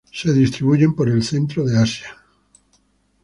Se distribuyen por el centro de Asia.